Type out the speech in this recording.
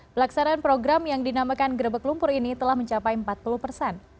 pelaksanaan program yang dinamakan grebek lumpur ini telah mencapai empat puluh persen